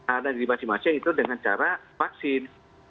ada di masing masing itu dengan cara vaksin